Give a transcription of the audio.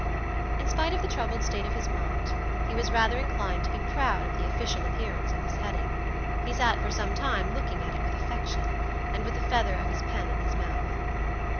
In spite of the troubled state of his mind, he was rather inclined to be proud of the official appearance of this heading. He sat for some time looking at it with affection, and with the feather of his pen in his mouth.